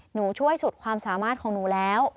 หนูช่วยสุดความสามารถของหนูแล้ว